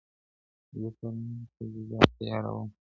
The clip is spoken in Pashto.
زه پرون سبزیحات تياروم وم؟!